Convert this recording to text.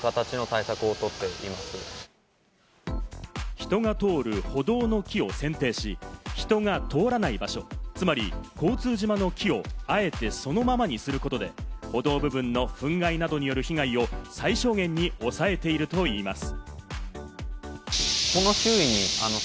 人が通る歩道の木を剪定し、人が通らない場所、つまり、交通島の木をあえてそのままにすることで、歩道部分のフン害などによる被害を最小限に抑えているといいます。